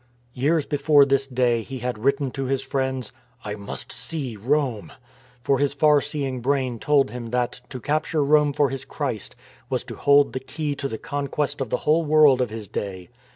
Years before this day, he had written to his friends, " I must see Rome." For his far seeing brain told him that, to capture Rome for his Christ, was to hold the key to the conquest of the whole world of his day.